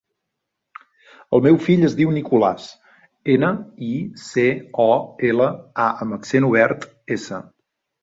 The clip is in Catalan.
El meu fill es diu Nicolàs: ena, i, ce, o, ela, a amb accent obert, essa.